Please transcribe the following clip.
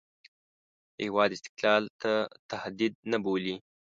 د هېواد استقلال ته تهدید نه بولي.